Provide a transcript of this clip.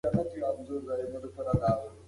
ماشوم د ونې تر سیوري لاندې د ستړیا له امله دمه وکړه.